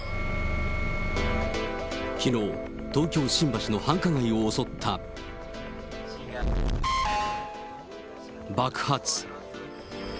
きのう、東京・新橋の繁華街を襲った爆発。